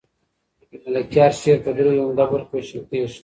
د ملکیار شعر په دریو عمده برخو وېشل کېږي.